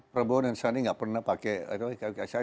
prabowo dan sandi gak pernah pakai